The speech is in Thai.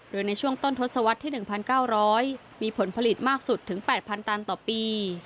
โดยในช่วงต้นทศวรรษที่๑๙๐๐มีผลผลิตมากสุดถึง๘๐๐ตันต่อปี